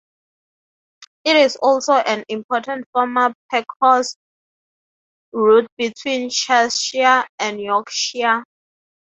It is also on an important former packhorse route between Cheshire and Yorkshire.